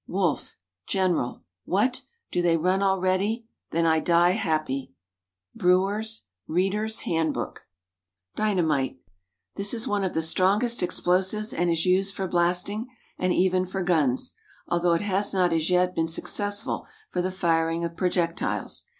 Wolfe, General. "What! do they run already? Then I die happy." Brewer's "Reader's Handbook." =Dynamite.= This is one of the strongest explosives, and is used for blasting, and even for guns, although it has not, as yet, been successful for the firing of projectiles.